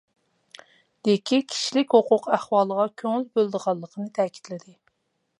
دىكى كىشىلىك ھوقۇق ئەھۋالىغا كۆڭۈل بۆلىدىغانلىقىنى تەكىتلىدى.